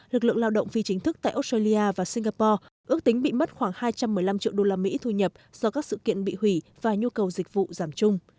lực lượng lao động phi chính thức tại australia và singapore ước tính bị mất khoảng hai trăm một mươi năm triệu usd thu nhập do các sự kiện bị hủy và nhu cầu dịch vụ giảm chung